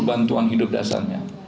bantuan hidup dasarnya